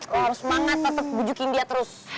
lo harus semangat tetep bujukin dia terus